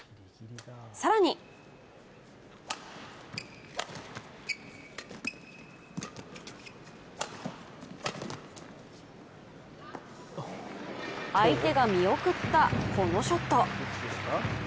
更に相手が見送ったこのショット。